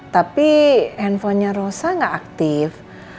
tapi handphonenya rosa gak aktif